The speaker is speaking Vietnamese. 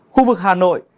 khu vực hà nội